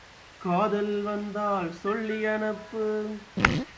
Attached to the bus are typically payloads.